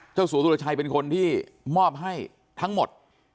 สัวสุรชัยเป็นคนที่มอบให้ทั้งหมด